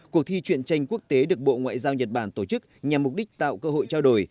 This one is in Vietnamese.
cuộc thi chuyện tranh quốc tế được bộ ngoại giao nhật bản tổ chức nhằm mục đích tạo cơ hội trao đổi